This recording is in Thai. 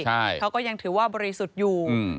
เขาก็ยังถือว่าบริสุทธิ์อยู่